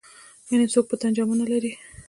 يعنې څوک په تن جامه نه لري.